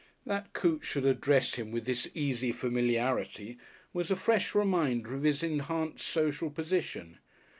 That Coote should address him with this easy familiarity was a fresh reminder of his enhanced social position.